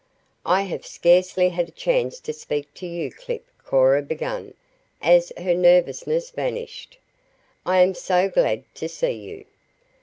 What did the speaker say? "I have scarcely had a chance to speak to you, Clip," Cora began, as her nervousness vanished. "I am so glad to see you."